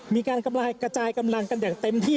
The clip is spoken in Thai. มีการกระจายกำลังกันอย่างเต็มที่